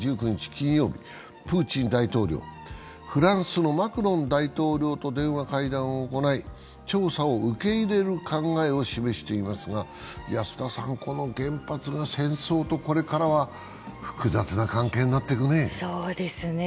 金曜日、プーチン大統領、フランスのマクロン大統領と電話会談を行い調査を受け入れる考えを示していますが、この原発がこれから戦争と複雑な関係になっていくね。